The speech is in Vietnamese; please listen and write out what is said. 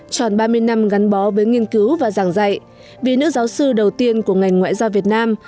tròn ba mươi năm gắn bó với nghiên cứu và giảng dạy vì nữ giáo sư đầu tiên của ngành ngoại giao việt nam